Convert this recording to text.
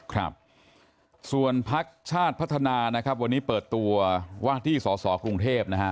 ครับส่วนพักชาติพัฒนานะครับวันนี้เปิดตัวว่าที่สอสอกรุงเทพนะฮะ